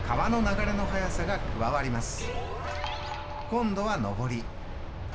今度は上り。